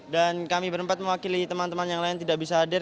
dan kami berempat mewakili teman teman yang lain tidak bisa hadir